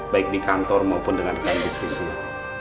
baik di kantor maupun dengan kampus kesini